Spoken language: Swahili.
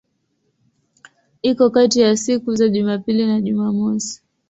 Iko kati ya siku za Jumapili na Jumanne.